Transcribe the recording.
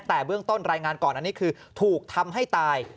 แต่เบื้องต้นรายงานก่อนอันนี้คือถูกทำให้ตาย